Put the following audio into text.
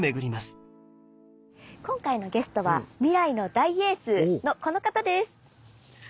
今回のゲストは未来の大エースのこの方です！